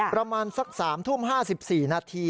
ประมาณสัก๓ทุ่ม๕๔นาที